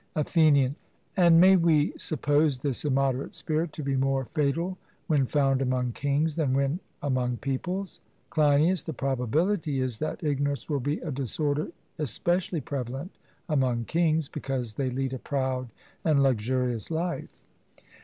ATHENIAN: And may we suppose this immoderate spirit to be more fatal when found among kings than when among peoples? CLEINIAS: The probability is that ignorance will be a disorder especially prevalent among kings, because they lead a proud and luxurious life.